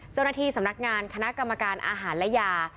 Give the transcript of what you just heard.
เจ้าหน้าที่สำนักงานคณะกรรมการอาหารและยา